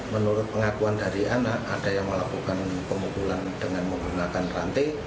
menurut pengakuan dari anak ada yang melakukan pemukulan dengan menggunakan rantai